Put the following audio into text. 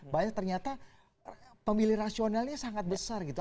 banyak ternyata pemilih rasionalnya sangat besar gitu